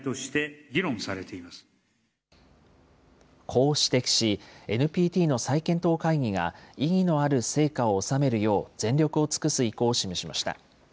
こう指摘し、ＮＰＴの再検討会議が意義のある成果を収めるよう、全力を尽くす意向を示しました。